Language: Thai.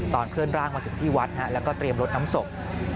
เคลื่อนร่างมาถึงที่วัดแล้วก็เตรียมรถน้ำศพ